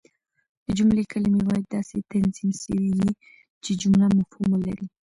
د جملې کلیمې باید داسي تنظیم سوي يي، چي جمله مفهوم ولري.